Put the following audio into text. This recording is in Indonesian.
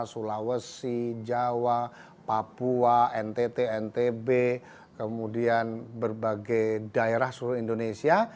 sulawesi jawa papua ntt ntb kemudian berbagai daerah seluruh indonesia